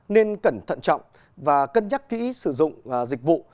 nên cẩn thận trọng và cân nhắc kỹ sử dụng dịch vụ